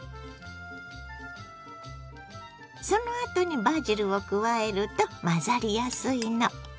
そのあとにバジルを加えると混ざりやすいの。